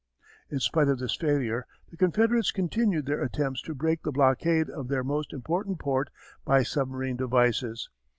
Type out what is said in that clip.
In spite of this failure the Confederates continued their attempts to break the blockade of their most important port by submarine devices.